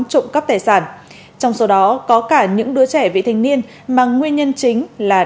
trụng cấp tài sản trong số đó có cả những đứa trẻ vị thanh niên mà nguyên nhân chính là